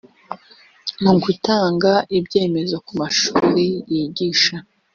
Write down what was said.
mu gutanga ibyemezo ku mashuri yigisha